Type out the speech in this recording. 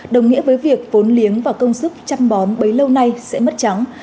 đồng nghĩa với việc vốn liếng và công sức chăm bón bấy lâu nay sẽ mất trắng